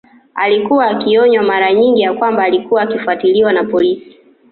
Alikuwa akionywa maranyingi ya kwamba alikuwa akifuatiliwa na polisi